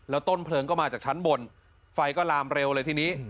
ต้นเพลิงก็มาจากชั้นบนไฟก็ลามเร็วเลยทีนี้